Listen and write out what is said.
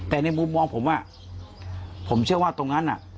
แต่ในมุมมองผมผมเชื่อว่าตรงนั้นน่ะ